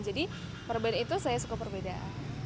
jadi perbedaan itu saya suka perbedaan